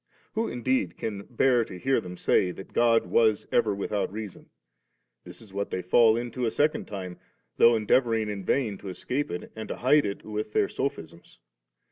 Who in deed can bear to hear them say that God was ever without Reason ? this is what ^/ &11 into a second time, though endeavooiing in vain to escape it and to hide it with their sophisms.